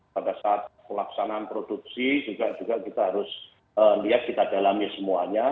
pada saat pelaksanaan produksi juga kita harus lihat kita dalami semuanya